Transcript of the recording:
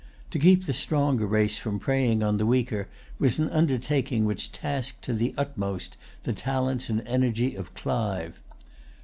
To keep the stronger race from preying on the weaker was an undertaking which tasked to the utmost the talents and energy of Clive.